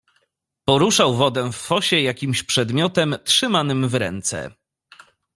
"Poruszał wodę w fosie jakimś przedmiotem, trzymanym w ręce."